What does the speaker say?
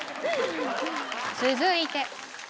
続いて。